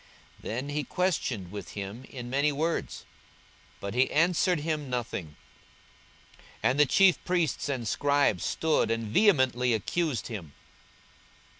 42:023:009 Then he questioned with him in many words; but he answered him nothing. 42:023:010 And the chief priests and scribes stood and vehemently accused him.